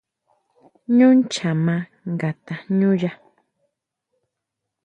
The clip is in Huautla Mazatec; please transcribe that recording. ʼÑú nchá maa nga tajñúya.